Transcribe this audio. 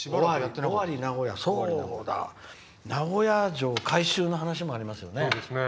名古屋城改修の話もありますね。